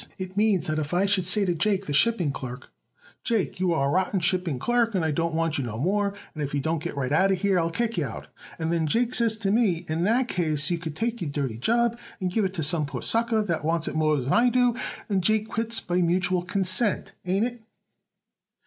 It means that if I should say to Jake, the shipping clerk, 'Jake, you are a rotten shipping clerk and I don't want you no more, and if you don't get right out of here I will kick you out,' and then Jake says to me, 'In that case you could take your dirty job and give it to some poor sucker what wants it more as I do,' then Jake quits by mutual consent. Ain't it?"